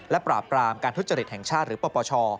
และปราบปรามการทุจริตแห่งชาติหรือปปช